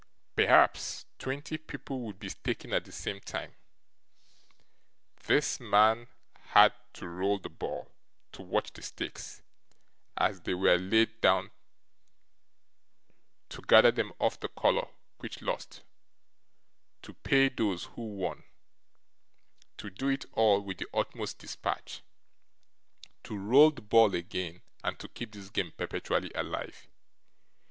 Perhaps twenty people would be staking at the same time. This man had to roll the ball, to watch the stakes as they were laid down, to gather them off the colour which lost, to pay those who won, to do it all with the utmost dispatch, to roll the ball again, and to keep this game perpetually alive.